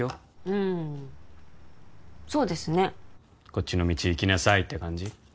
うーんそうですねこっちの道行きなさいって感じ？